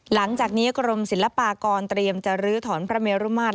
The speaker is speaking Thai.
หลังจากนี้กรมศิลปากรเตรียมจะลื้อถอนพระเมรุมาตร